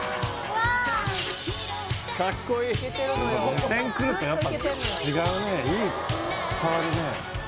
目線来るとやっぱ違うねいい変わるね